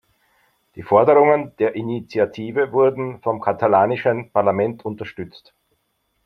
Die Forderungen der Initiative wurden vom katalanischen Parlament unterstützt.